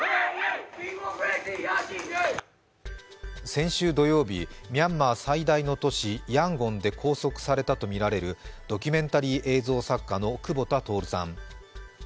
先週土曜日、ミャンマー最大の都市ヤンゴンで拘束されたとみられるドキュメンタリー映像作家の久保田徹さん。